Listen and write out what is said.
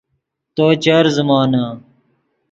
تو چر زیمونے